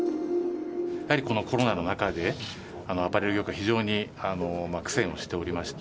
やはりこのコロナの中で、アパレル業界、非常に苦戦をしておりまして、